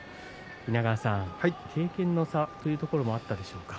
稲川さん、経験の差というところもあったでしょうか。